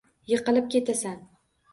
Yiqilib ketasan.